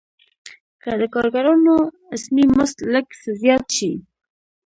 که د کارګرانو اسمي مزد لږ څه زیات شي